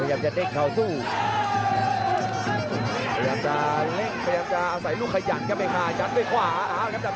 โอ้เมคานั้นเน่นยาดไส้ในขณะที่ท่านของขอร้องดาบดำ